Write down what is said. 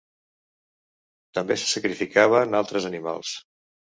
També se sacrificaven altres animals.